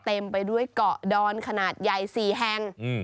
เต็มไปด้วยเกาะดอนขนาดใหญ่๔แห่ง